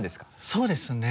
そうですね